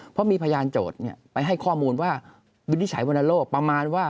เพราะมีพยานโจทย์ไปให้ข้อมูลว่าวินิจฉัยวรรณโลกประมาณว่า